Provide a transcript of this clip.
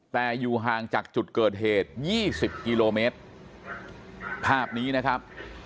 แต่อยู่ห่างจากจุดเกิดเหตุยี่สิบกิโลเมตรภาพนี้นะครับ